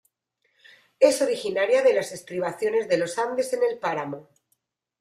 Es originaria de las estribaciones de los Andes en el páramo.